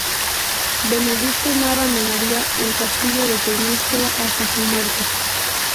Benedicto no abandonaría el castillo de Peñíscola hasta su muerte.